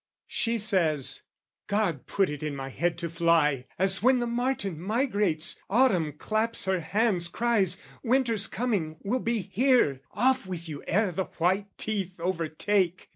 She says, "God put it in my head to fly, "As when the martin migrates: autumn claps "Her hands, cries 'Winter's coming, will be here, "'Off with you ere the white teeth overtake!